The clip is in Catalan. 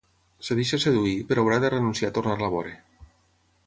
Es deixa seduir, però haurà de renunciar a tornar-la a veure.